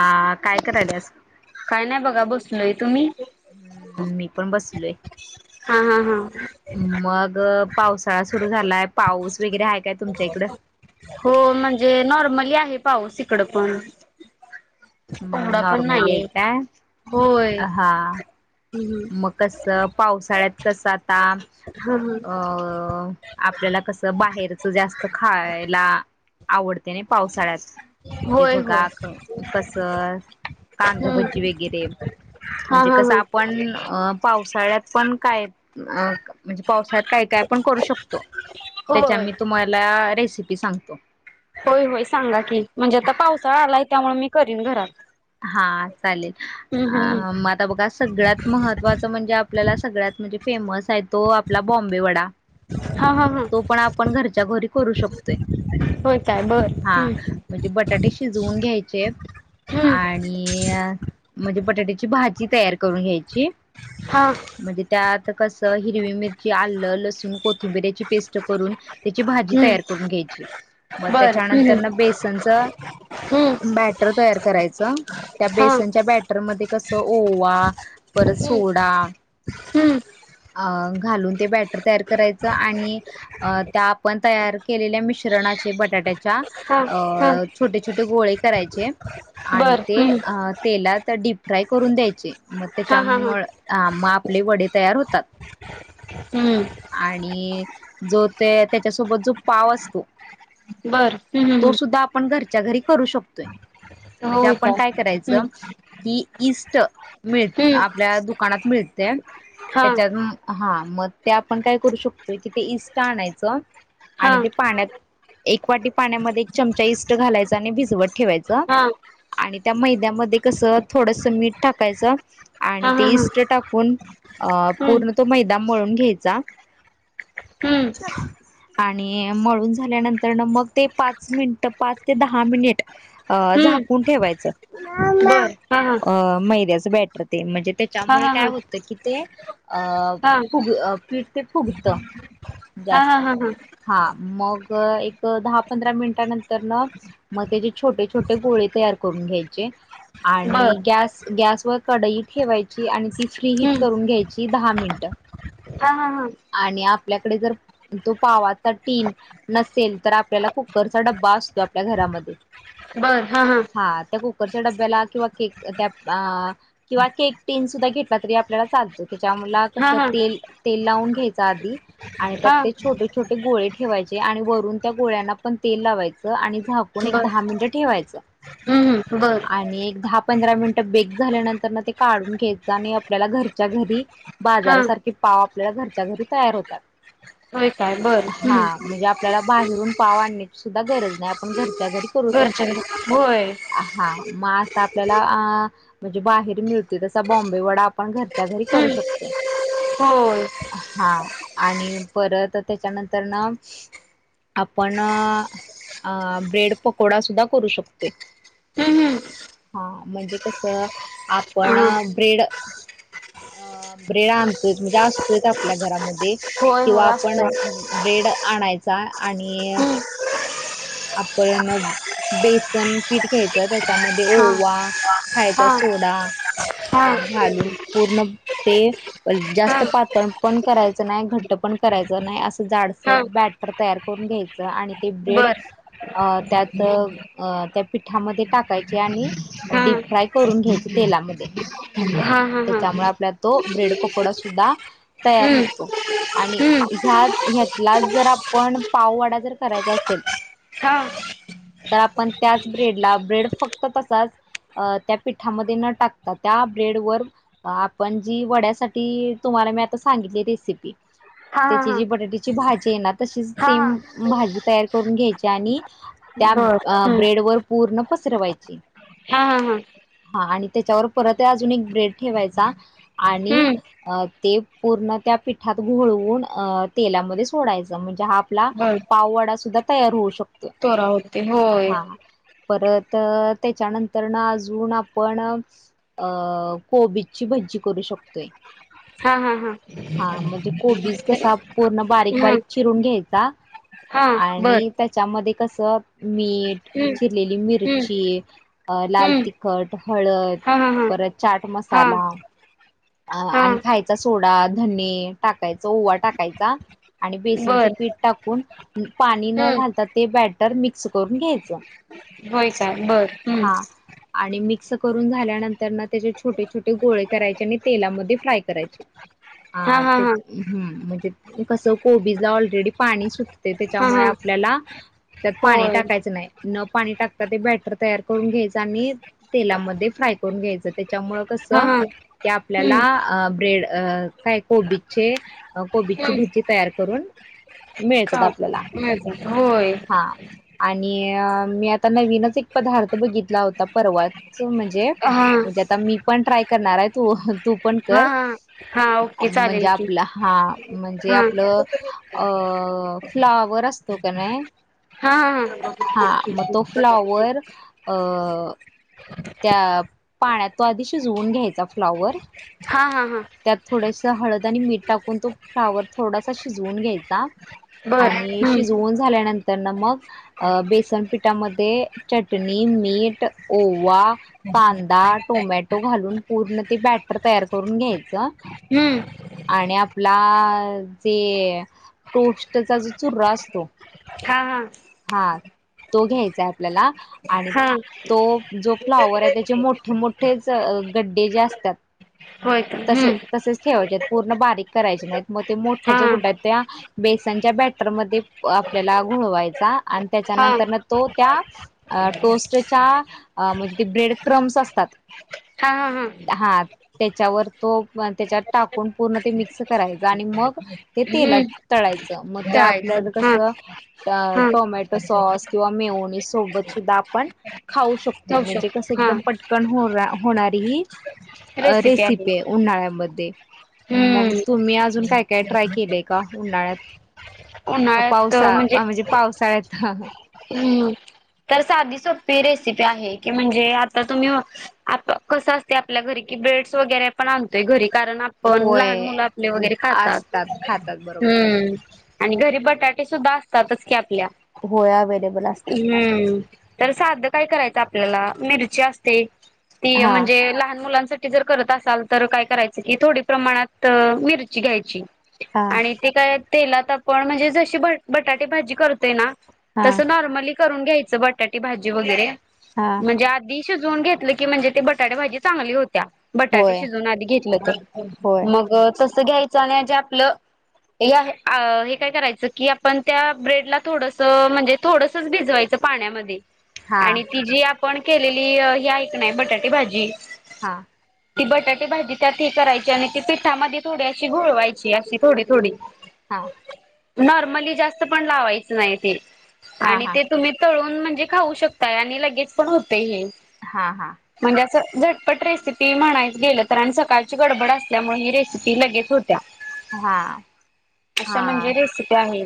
हा काय करायलस लय तुमही हम्म मी पण बसलोय हा हा हा मग पावसाळा सुरू झालाय पाऊस वगैरे आहे काय तुमच्या इकडं? हो म्हणजे नॉर्मली आहे पाऊस इकड पण हम्म कोवडा पण नॉर्मली आहे नाहीय काय? होय हा हम्म मग कसं पावसाळ्यात कसं आता हा हा अ आपल्याला कस बाहेरच जास्त खायला आवडत त्याने पावसाळ्यात म्हणजे होय होय बघा कस कांदाभजी हम्म वगैरे हा म्हणजे हा कसं हा आपण अ पावसाळ्यात पण काय अ म्हणजे पावसाळ्यात काय काय पण करू शकतो त्याच्या होय मी तुम्हाला रेसिपी सांगतो होय होय सांगा की म्हणजे आता पावसाळा आलाय त्यामुळे मी करीन घरात हा चालेल हम्म हम्म अ हम्म मग आता बघा सगळ्यात महत्वाच म्हणजे आपल्याला सगळ्यात म्हणजे फेमस आहे तो आपला बॉम्बे वडा हा हा हा तो पण आपण घरच्या घरी करू शकतोय होय काय बर हा हम्म म्हणजे बटाटे शिजवून घ्यायचे हम्म आणि म्हणजे बटाट्याची भाजी तयार करून घ्यायची हा म्हणजे त्या आता कस हिरवी मिरची आलं लसूण कोथिंबिरची पेस्ट करून त्याची भाजी हम्म तयार करून घ्यायची मग बर हम्म त्याच्यानंतर ना बेसनच हम्म बॅटर तयार करायचं त्या हा बेसनच्या बॅटरमध्ये कसं ओवा परत हम्म सोडा हम्म अ घालून ते बॅटर तयार करायचं आणि त्या आपण तयार केलेल्या मिश णा बटाट्याच्या हा हा छोट छोटे गोळे करायचे आणि बर ते हम्म तेलात डीप फ्राय करून द्यायचे मग हा त्याच्या हा हा मग आपले वडे तयार होतात हम्म आणि जो ते त्याच्यासोबत जो पाव असतो बर हम्म हम्म् च्या घरी करू शकतोय म्हणजे होय आपण काय हम्म करायचं की इष्ट मिळ हम्म आपल्या दुकानात मिळते हा त्याच्यात हा मग ते आपण काय करू शकतोय कि ते इष्ट आणायचं हा आणि ते हा पाण्यात एक वाटी पाण्यामध्ये एक चमचा इष्ट घालायचा आणि भिजवत ठेवायचं हा आणि त्या मैद्यामध्ये कस थोडस मीठ टाकायच आणि हा ते हा हम्म इष्ट टाकून अ पूर्ण तो मैदा मळून घ्यायचा हम्म आणि मळून झाल्यानंतर न मग ते पाच मिनट पाच ते दहा मिनिट अ हम्म झाकून ठेवायचं बर हा हा मैद्याच बॅटर ते म्हणजे हा त्याच्यामुळे काय हा होतं की ते अ हा हा फुग पीठ ते फुगत हा हा हा जास्त हा हा मग एक दहा पंधरा मिनिटानंतर न मग त्याचे छोटे छोटे गोळे तर करून घ्यायचे बर आणि गस गॅस व कडई ठेवायची आणि ती फ्री हिट हम्म करून घ्यायची दहा मिनट हा हा हा आणि आपल्याकडे जर तो पावा टीन नसेल तर आपल्याला कुकरचा डबा असतो आपल्या घरामध्ये बर हा हा त्या कुकरच्या डब्याला किंवा केक त्या किंवा केक टीन सुद्धा घेत आपल्याला चालतो त्याच्या मला कस हा हा तेल तेल लावून घ्यायच आधी आणि त्यात हा ते छोटे छोटे गोळे ठेवायचे आणि वरून त्या गोळ्यांना पण तेल लावायचं आणि झाकून एक बर दहा मिनट ठेवायच हम्म हम्म बर आणि एक दहा पंधरा मिनिट बेक झाल्यानंतर ना ते काढून घ्यायचं आणि आपल्याला घरच्या घरी हा बाजारासारखे पाव आपल्याला घरच्या घरी तयार होतात होय काय बर हा हम्म म्हणजे आपल्याला बाहेरून पाव आणण्याची सुद्धा गरज नाही आपण घर घरच्या घरी करू घरच्या शकतो घरी होय आपल्याला म्हणजे बाहेर मिळते तस बॉम्बे वडा आपण घ त्याच्या घरी करू हम्म शकते होय हा आणि परत त्याच्यानंतर ना आपण अ ब्रेड पकोडा सुद्धा करू शकतोय हम्म हा म्हणजे कस आपण हम्म हा ब्रेड अ ब्रेड आणतोयच म्हणजे असतोय आपल्या घरामध्ये होय किंवा होय आपण असतंय ब्रेड आणायच आणि हम्म आपण बस पीठ घ्यायचं त्या त्याच्यामध्ये हा ओवा खायचा हा सोडा हा अ घालून पूर्ण ते हा जास्त पातळ पण करायचं नाही घट्ट पण करायचं नाही अस जाडसर हा बॅटर तयार करून घ्यायचं आणि ते ब्रेड बर अ त्यात त्या पिठामध्ये टाकायची आणि हा डीप फ्राय करून घ्यायचे तेलामध्ये हा हा हा त्याच्यामुळे आपल्या तो ब्रेड पकोडा सुद्धा तयार हम्म होतो आणि हम्म ह्या ह्यातला जर आपण पाववाडा जर करायचा असेल हा तर आपण त्याच ब्रेडला ब्रेड फक्त तसाच त्या पिठामध्ये न टाकता त्या ब्रेड वर आपण जी वड्यासाठी तुम्हा आता सिती हा हा त्याची हा जी बटाट्याची भाजी आहे ना तशीच हा सेम हा भाजी तयार करून घ्यायची आणि त्या बर अ हम्म ब्रेड वर पूर्ण पसरवायची हा हा हा आणि त्याच्यावर परत अजून एक ब्रेड ठेवायचा आणि हम्म ते पूर्ण त्या पिठात घळवून तेलामध्ये सोडायचं म्हणजे हा आपला बर पाववाडा सुद्धा तयार होऊ शकतो तोरा होते हो हा परत त्याच्यानंतर अजून आपण अ कोबीची भजी ी करू शकतोय हा हा हा हा म्हणजे कोबीज कसा पूर्ण बारीक हा बारीक चिरून घ्यायचा हा बर आणि त्याच्यामध्ये कस मीठ हम्म चिरलेली हम्म मिरची अ लाल हम्म तिखट हळद हा हा हा परत चाट हा मसाला हा आणि खायचा सोडा धने टाका ओवा टाकायचा आणि बेसनचं बर पीठ टाकून पाणी न हम्म घालता ते ब घ होय काय बर हम्म करून झाल्यानंतर त्याचे छोटे छोटे गोळे करायचे तेलामध्ये फ्राय करायची हा हा हा म्हणजे कस कोबीज ला ऑलरेडी पाणी सुटते हा त्याच्यामुळे हा आपल्याला त्यात पाणी होय टाकायचं नाही न पाणी टाकता ते बॅटर तयार करून घ्यायचं आणि तेलामध्ये फ्राय ून घ्यायच त्याच्यामुळे कस हा हा की हम्म आपल्याला ब्रेड काय कोबीचे कोबीची हम्म भजी तयार करून मिळतात का आपल्याला मिळतात होय हा आणि मी आता नवीनच एक पदार्थ बघितला होता परवा म्हणजे हा हा म्हणजे आता मी पण ट्राय करणार आहे तू तू पण हा कर हा ओके म्हणजे चालेल की आपलं हा म्हणजे हा आपलं अ अ फ्लावर असतो का नाही हा हा हा मग तो फ्लावर अं त्या पाण्यात तो आधी शिजवून घ्यायचा फ्लाॉवर हा हा हा त्यात थोडस हळद आणि मीठ टाकून तो फ्लावर थोडासा शिजवून घ्यायचा बर आणि हम्म शिजवून झाल्यानंतर तर ना मग अ बेसनपिठामध्ये चटणी मीठ ओवा कांदा टोमॅटो घालून पूर्ण बॅटर तयार करून घ्यायच हम्म आणि आपला जे टोस्टचा जो चुर्र असतो हा हा हा तो घ्यायचाय आपल्याला आणि हा तो जो फ्लावर हाय त्याचे मोठे मोठेच गड्डे जे अस तात होय का तसे हम्म तसेच ठेवायचे पूर्ण बारीक करायचे नाहीत. मग ते मोठा हा ज हा गुड्डा त्या बेसनच्या बॅटरमध्य आपल्याला घोळवायचा आणि हा त्याच्यानंतर तो त्या टोस्टच्या आ म्हणजे ते ब्रेड क्रम्स असतात हा हा हा. हा त्याच्यावर तो त्याच्यात टाकून पूर्ण ते मिक्स करायचा आणि मग ते तेलात हम्म तळायच मग त्या तळायचं आपल्याला कस हा हा टोमॅटो सॉस किंवा मेयोनीज सोबत सुद्धा आपण खाऊ शकतोय लवशो म्हणजे कसं हा एकदम पटकन हो होणारी ही अ रेसिपी हे उन्हाळ्यामध्ये. मग हम्म तुम्ही अजून काय काय ट्राय केलंय का उन्हाळ्यात? पावसा आ म्हणजे पावसाळ्यात. हम्म. तर साधी सोपी रेसिपी आहे की म्हणजे आता तुम्ही आत कसं असतय आपल्या घरी ब्रेड्स वगैरे पण आणतोय घरी कारण आपण लहान होय मुलं आपले वगैरे खातात असतात खातात बरोबर आहे हम्म. आणि घरी बटाटे सुुद्धा असतातच की आपल्या. होय अवेलेबल असतात हम्म तर साधं काय करायचं आपल्याला मिरची असते ती हा म्हणजे लहान मुलांसाठी ठी जर करत असाल तर काय करायच की थोडी प्रमाणात मिरची घ्यायची हा आणि ते काय तेलात आपण म्हणजे जशी ब बटाटे भाजी करतोय ना हा तसं नॉर्मली करून घ्यायचं बटाटे भाजी वगैरे हा म्हणजे आधी शिजवून घेतलं की म्हणजे ते बटाटे भाजी चांगली होत त्या बटाटे होय शिजून आधी घेतलं तर होय मग तस घ्यायचं आणि जे आपलं या हे काय करायचं की आपण त्या ब्रेडला थोडस म्हण जे थोडसच भिजवायच पाण्यामध्ये हा आणि ती जी आप पण केलेली ही हाय कनाय बटाटे भाजी हा. ती बटाटे भाजी त्यात हे करायची आणि ती पिठामध्ये थोडी अशी गोळवायची अशी थोडी थोडी हा. नॉर्मली जास्त पण लावायच नाही ते हा आणि हा ते तुम्ही तूळून म्हणजे खाऊ शक आणि लगेज पण होतय हे हा हा म्हणजे अस झटपट रेसिपी म्हणायच गेलं तर आणि सकाळची गडबड असल्यामुळे ही रेसिपी लगेच होत त्या हा असं म्हणजे हा रेसिपी आहे.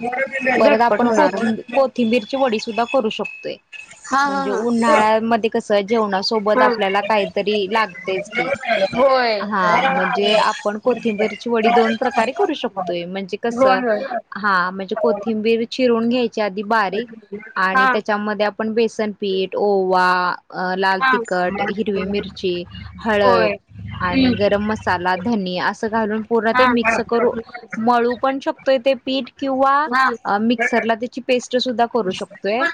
हे बग पण कोथिं कोथिंबीरची वडी सुद्धा करू शकतोय हा हा म्हणजे हा उन्हाळ्यामध्ये कस जेवणासोबत हा आपल्याला काहीतरी लागतय की होय हा म्हणजे आप पण कोथिंबीरची वडी दोन प्रकारे करू शकतोय म्हणजे होय कसं होय हा म्हणजे कोथिंबीर चिरून घ्याय ची आधी बारीक आणि हा त्याच्यामध्ये आप बेसन पीठ ओवा लाल हा तिक कट हिरवी मिर हळद होय हम्म आणि गरम मसाला धनी अस घालून पुर्ण हा ते हा मिक्स करू मळू पण शकतोय ते पीठ किंवा मिक्सरला त्याची पेस्ट ट सुद्धा करू शकतोय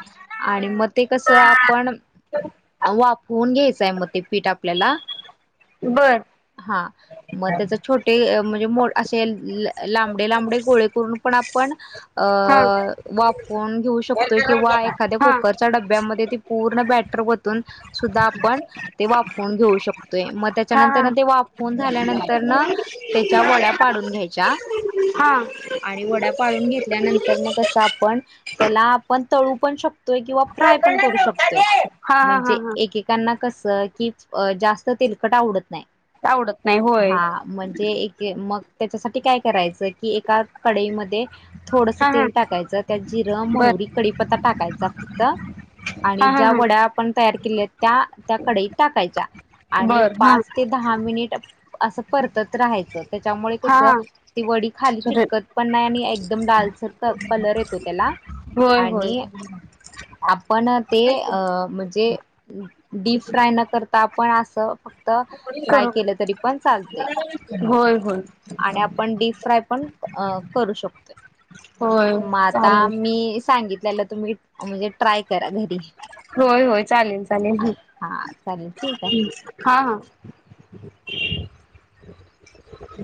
आणि मग ते कस आपण वाफउन घ्यायचंय म ते पीठ आपल्याला बर हा म त्याच छोटे म्हणजे मो असे लं लांबडे लांबडे गोळे करून पण आपण अ हा वाफऊन घेऊ शकतोय किंवा एखाद्या हा हा कुकरच्या डब्यामध्ये ते पूर्ण बॅटर र वातून सुद्धा आपन ते वाफऊन घेऊ शक मग हा त्याच्यानंतर ते वाफवून झाल्यानंतर न त्याच्या वड्या पाडून घ्यायच्या हा [inaudible] आणि वड्या पाडून घेतल्यानंतर न कसं आपण त्याला आपण तळू पण शकतोय किंवा फ्राय पण करू शकतोय हा हा हा म्हणजे एके-कांना कस की जास्त तेलकट आवडत आवडत नाही होय हा म्हणजे एकेक मग त्याच्यासाठी काय करायचं कि एका कढई मध्ये थोडस हा हा तेल टाकायचं त्यात जिरं बर महुरी कडीपत्ता टाकायचा फक्त हा आणि हा ज्या हा वड्या आपण तयार त्या -त्या कढईत टाकायच्या आणि बर हा पाच ते दहा मिनिट असं परतत राहायचं त्याच्यामुळे हा कस हा ती वडी खाली चिटकत नाही आणि एकदम लालसर असा कलर येतो त्याला होय होय आणि आपण ते अ म्हणजे डीप फ्राय न करता आपण असं फक्त त ट्राय करू केलं तरी पण चालतय. होय- होय आणि आपण डीप फ्राय पण अ करू शकतोय होय मग आता चालेल मी सांगितलेलं तुम्ही- म्हणजे ट्राय करा घरी होय -होय चालेल -चालेल हा चालेल ठेवू काय? हा -हा [inaudible]